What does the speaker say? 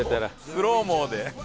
スローモーで。